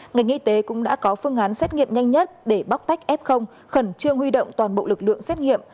ngành y tế cũng đã có phương án xét nghiệm nhanh nhất để bóc tách f khẩn trương huy động toàn bộ lực lượng xét nghiệm